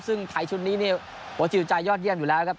ซึ่งไทยชุดนี้เนี่ยหัวจิตใจยอดเยี่ยมอยู่แล้วครับ